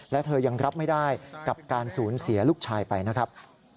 และเธอยังรับไม่ได้กับการสูญเสียลูกชายไปนะครับ